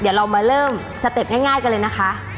เดี๋ยวเรามาเริ่มสเต็ปง่ายกันเลยนะคะ